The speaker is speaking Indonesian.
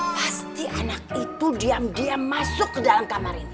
pasti anak itu diam diam masuk ke dalam kamar ini